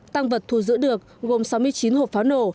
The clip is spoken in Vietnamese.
tăng vật thu giữ được gồm sáu mươi chín hộp pháo nổ